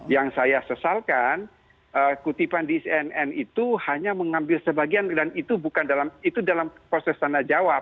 yang saya sesalkan kutipan di cnn itu hanya mengambil sebagian dan itu dalam proses tanda jawab